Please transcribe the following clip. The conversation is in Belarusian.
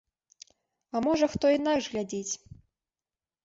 А можа, хто інакш глядзіць.